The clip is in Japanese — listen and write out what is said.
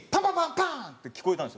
パーン！って聞こえたんですよ。